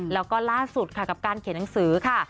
แล้วก็ล่าสุดค่ะกับการเขียนหนังสือค่ะ